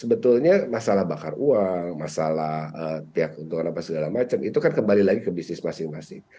sebetulnya masalah bakar uang masalah tiap untungan apa segala macam itu kan kembali lagi ke bisnis masing masing